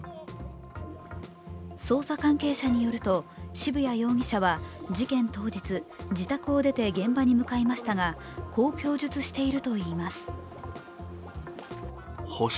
捜査関係者によると渋谷容疑者は事件当日、自宅を出て現場に向かいましたが、こう供述しているといいます。